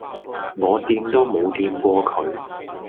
我掂都冇掂過佢